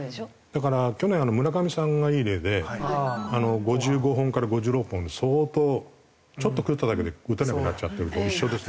だから去年村上さんがいい例で５５本から５６本相当ちょっと狂っただけで打てなくなっちゃったのと一緒ですね。